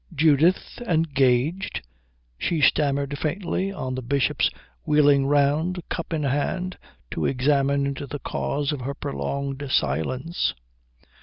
"Judith engaged?" she stammered faintly, on the Bishop's wheeling round, cup in hand, to examine into the cause of her prolonged silence.